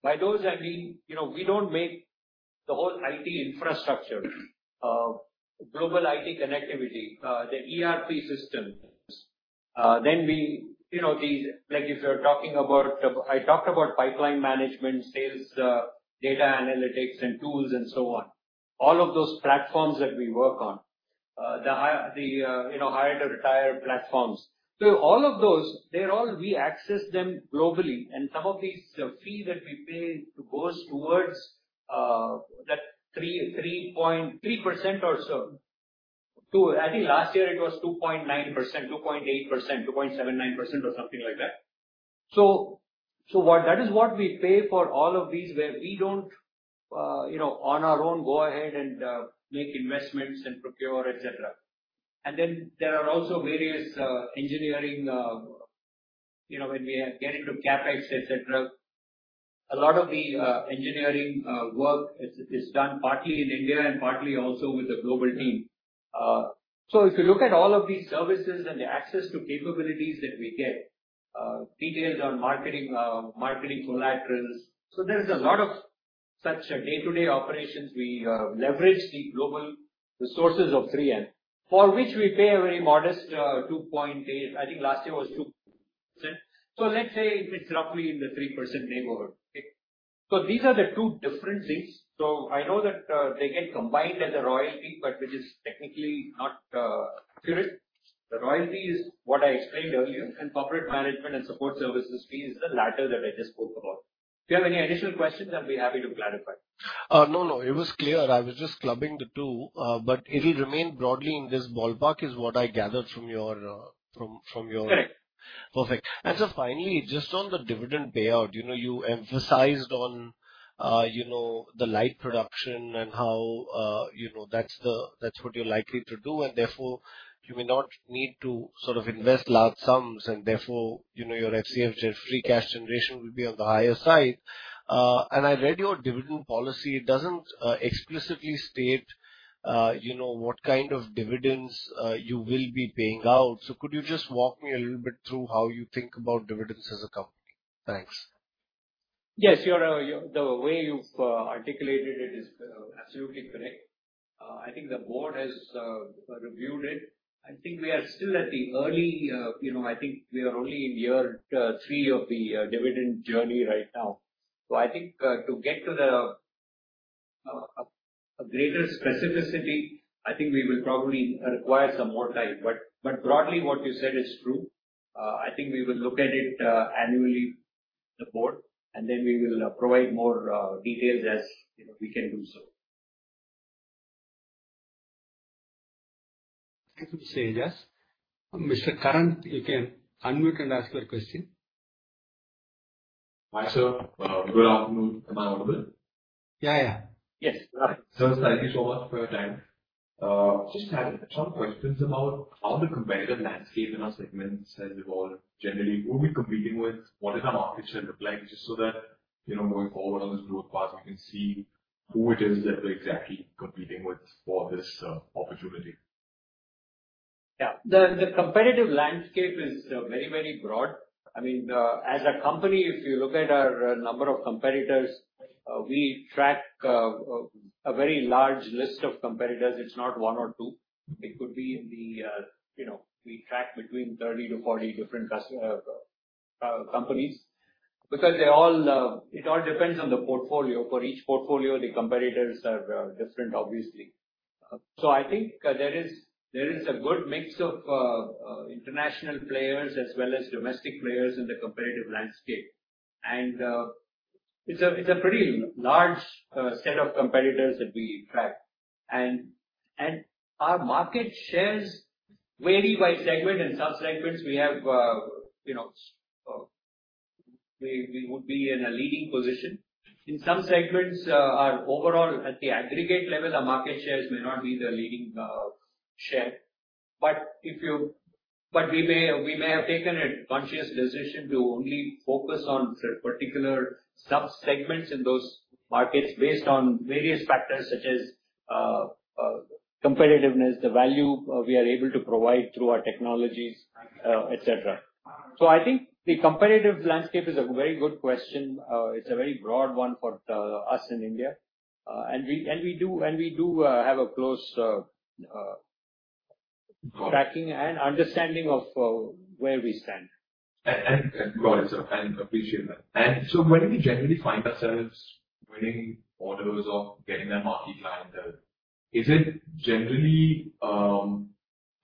By those, I mean we do not make the whole IT infrastructure, global IT connectivity, the ERP system. If you are talking about, I talked about pipeline management, sales, data analytics, and tools and so on, all of those platforms that we work on, the hire-to-retire platforms. All of those, we access them globally. Some of these fees that we pay go towards that 3% or so. I think last year it was 2.9%, 2.8%, 2.79% or something like that. That is what we pay for all of these where we do not, on our own, go ahead and make investments and procure, etc. There are also various engineering when we get into CapEx, etc. A lot of the engineering work is done partly in India and partly also with the global team. If you look at all of these services and the access to capabilities that we get, details on marketing collaterals, there is a lot of such day-to-day operations. We leverage the global resources of 3M, for which we pay a very modest 2.8%. I think last year was 2%. Let's say it is roughly in the 3% neighborhood. These are the two different things. I know that they get combined as a royalty, but which is technically not accurate. The royalty is what I explained earlier, and corporate management and support services fee is the latter that I just spoke about. If you have any additional questions, I'll be happy to clarify. No, no. It was clear. I was just clubbing the two, but it will remain broadly in this ballpark is what I gathered from your. Correct. Perfect. Finally, just on the dividend payout, you emphasized on the light production and how that's what you're likely to do, and therefore you may not need to sort of invest large sums, and therefore your FCFG free cash generation will be on the higher side. I read your dividend policy. It does not explicitly state what kind of dividends you will be paying out. Could you just walk me a little bit through how you think about dividends as a company? Thanks. Yes. The way you've articulated it is absolutely correct. I think the board has reviewed it. I think we are still at the early—I think we are only in year three of the dividend journey right now. I think to get to a greater specificity, we will probably require some more time. Broadly, what you said is true. I think we will look at it annually, the board, and then we will provide more details as we can do so.
Thank you, Mr. Yas. Mr. Karan, you can unmute and ask your question. Hi, sir. Good afternoon. Am I audible? Yeah, yeah. Yes. Thank you so much for your time. Just had some questions about how the competitive landscape in our segments has evolved generally. Who are we competing with? What does our market share look like? Just so that going forward on this growth path, we can see who it is that we're exactly competing with for this opportunity.
Yeah. The competitive landscape is very, very broad. I mean, as a company, if you look at our number of competitors, we track a very large list of competitors. It's not one or two. It could be in the we track between 30-40 different companies because it all depends on the portfolio. For each portfolio, the competitors are different, obviously. I think there is a good mix of international players as well as domestic players in the competitive landscape. It's a pretty large set of competitors that we track. Our market shares vary by segment. In some segments, we would be in a leading position. In some segments, overall, at the aggregate level, our market shares may not be the leading share. We may have taken a conscious decision to only focus on particular subsegments in those markets based on various factors such as competitiveness, the value we are able to provide through our technologies, etc. I think the competitive landscape is a very good question. It is a very broad one for us in India. We do have a close tracking and understanding of where we stand. Got it, sir. I appreciate that. When we generally find ourselves winning orders or getting a market clientel, is it generally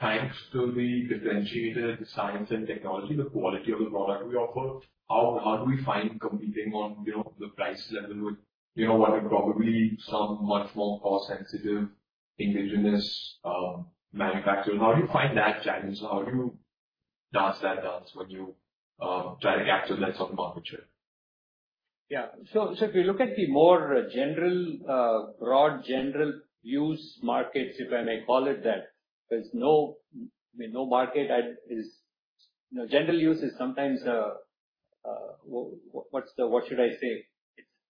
thanks to the differentiated science and technology, the quality of the product we offer? How do we find competing on the price level with what are probably some much more cost-sensitive indigenous manufacturers? How do you find that challenge? How do you dance that dance when you try to capture that sort of market share? Yeah. If you look at the more broad general use markets, if I may call it that, there is no market. General use is sometimes, what should I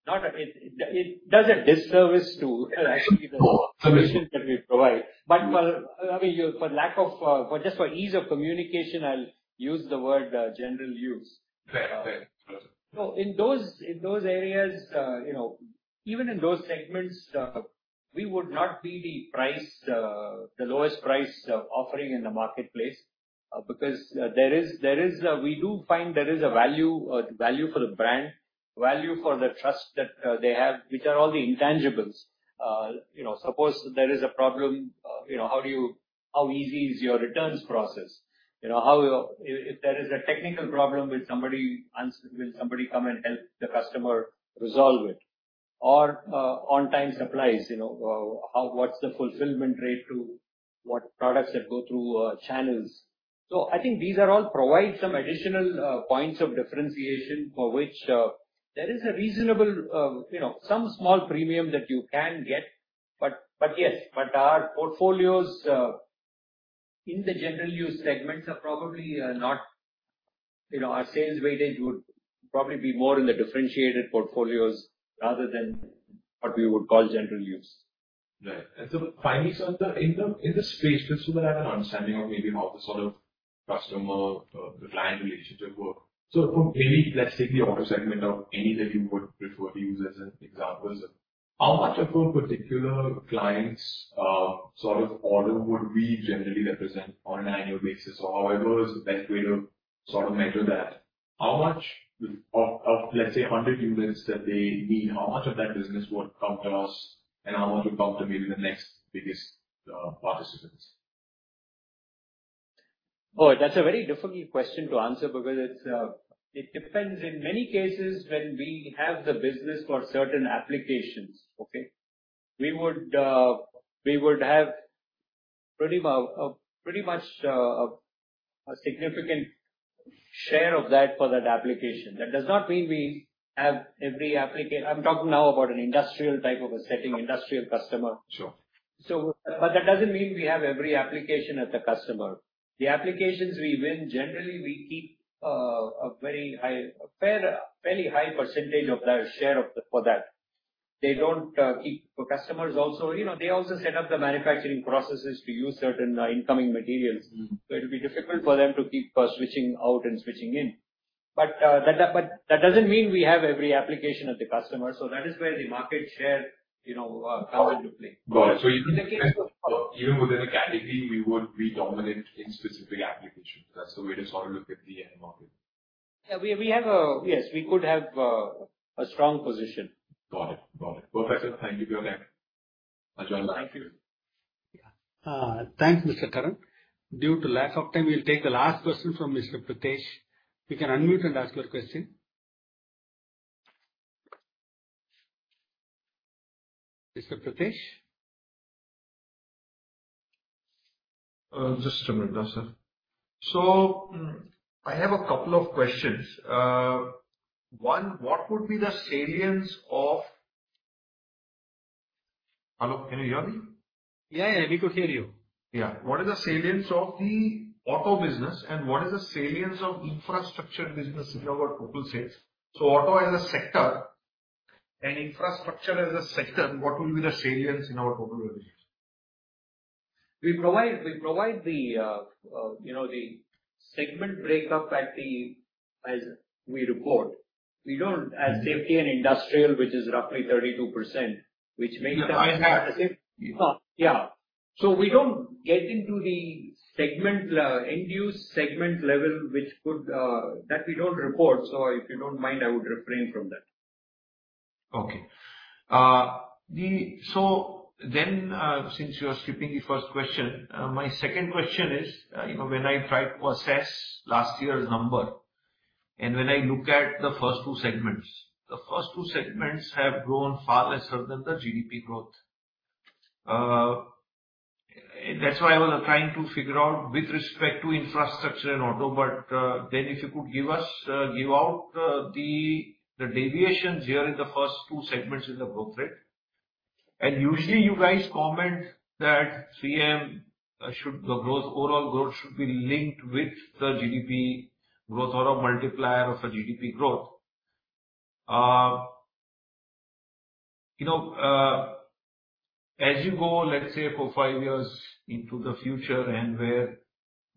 say, it does a disservice to actually the solutions that we provide. I mean, for lack of, just for ease of communication, I will use the word general use. Fair. Fair. Gotcha. In those areas, even in those segments, we would not be the lowest price offering in the marketplace because we do find there is a value for the brand, value for the trust that they have, which are all the intangibles. Suppose there is a problem, how easy is your returns process? If there is a technical problem, will somebody come and help the customer resolve it? Or on-time supplies, what's the fulfillment rate to what products that go through channels? I think these all provide some additional points of differentiation for which there is a reasonable, some small premium that you can get. Yes, our portfolios in the general use segments are probably not, our sales weightage would probably be more in the differentiated portfolios rather than what we would call general use. Right. Finally, in the space, just so that I have an understanding of maybe how the sort of customer-client relationship works, maybe let's take the order segment or any that you would prefer to use as an example. How much of a particular client's sort of order would we generally represent on an annual basis? Or however is the best way to measure that? How much of, let's say, 100 units that they need, how much of that business would come to us, and how much would come to maybe the next biggest participants? Oh, that's a very difficult question to answer because it depends. In many cases, when we have the business for certain applications, okay, we would have pretty much a significant share of that for that application. That does not mean we have every application. I'm talking now about an industrial type of a setting, industrial customer. Sure. That does not mean we have every application at the customer. The applications we win, generally, we keep a fairly high percentage of their share for that. They do not keep for customers also, they also set up the manufacturing processes to use certain incoming materials. It will be difficult for them to keep switching out and switching in. That does not mean we have every application at the customer. That is where the market share comes into play. Got it. In the case of even within a category, we would be dominant in specific applications. That's the way to sort of look at the end market. Yeah. Yes, we could have a strong position. Got it. Got it. Perfect. Thank you for your time. I'll join the line. Thank you.
Thanks, Mr. Karan. Due to lack of time, we'll take the last question from Mr. Prates. You can unmute and ask your question. Mr. Prates?
Just a minute, sir. I have a couple of questions. One, what would be the salience of? Hello. Can you hear me?
Yeah, yeah. We could hear you.
Yeah. What is the salience of the auto business, and what is the salience of infrastructure business in our total sales? Auto as a sector and infrastructure as a sector, what will be the salience in our total revenue?
We provide the segment breakup as we report. We do not as safety and industrial, which is roughly 32%, which makes us.
I have.
Yeah. We do not get into the induced segment level, which we do not report. If you do not mind, I would refrain from that.
Okay. Since you're skipping the first question, my second question is when I tried to assess last year's number, and when I look at the first two segments, the first two segments have grown far lesser than the GDP growth. That's why I was trying to figure out with respect to infrastructure and auto, but if you could give us the deviations here in the first two segments in the growth rate. Usually, you guys comment that 3M should, the overall growth should be linked with the GDP growth or a multiplier of the GDP growth. As you go, let's say, four or five years into the future and where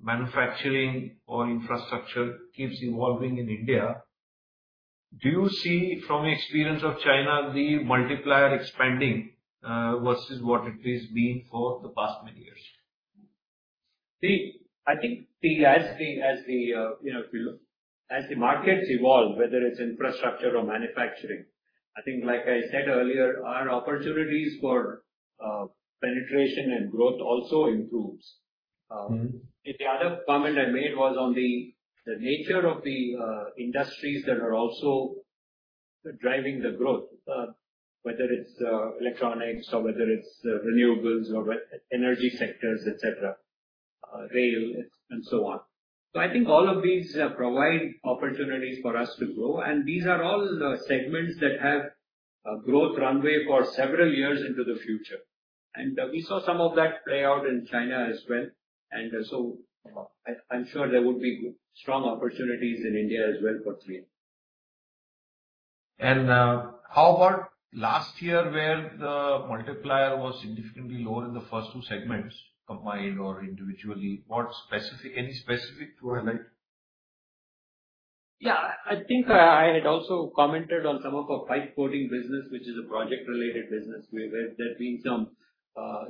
manufacturing or infrastructure keeps evolving in India, do you see from experience of China the multiplier expanding versus what it has been for the past many years?
See, I think as the markets evolve, whether it is infrastructure or manufacturing, I think like I said earlier, our opportunities for penetration and growth also improves. The other comment I made was on the nature of the industries that are also driving the growth, whether it is electronics or whether it is renewables or energy sectors, etc., rail, and so on. I think all of these provide opportunities for us to grow. These are all segments that have a growth runway for several years into the future. We saw some of that play out in China as well. I am sure there would be strong opportunities in India as well for 3M.
How about last year where the multiplier was significantly lower in the first two segments combined or individually? Any specific to highlight?
Yeah. I think I had also commented on some of our pipe coating business, which is a project-related business, where there have been some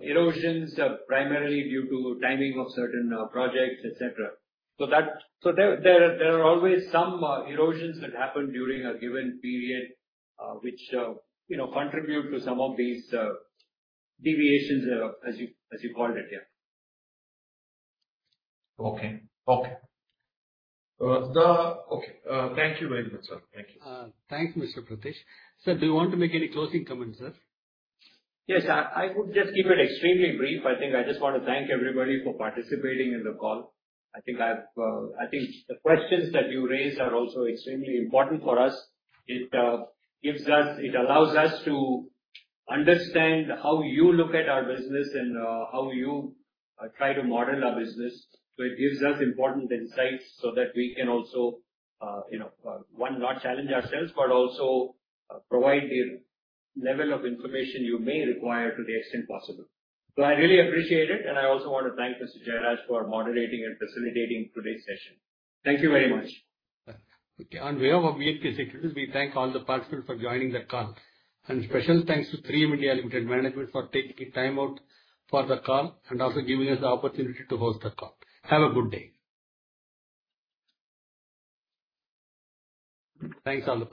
erosions primarily due to timing of certain projects, etc. There are always some erosions that happen during a given period, which contribute to some of these deviations, as you called it, yeah.
Okay. Thank you very much, sir. Thank you.
Thank you, Mr. Pratap. Sir, do you want to make any closing comments, sir?
Yes. I would just keep it extremely brief. I think I just want to thank everybody for participating in the call. I think the questions that you raised are also extremely important for us. It allows us to understand how you look at our business and how you try to model our business. It gives us important insights so that we can also, one, not challenge ourselves, but also provide the level of information you may require to the extent possible. I really appreciate it. I also want to thank Mr. Jayaraj for moderating and facilitating today's session. Thank you very much.
Okay. On behalf of VHK Securities, we thank all the participants for joining the call. Special thanks to 3M India Limited Management for taking time out for the call and also giving us the opportunity to host the call. Have a good day. Thanks, all.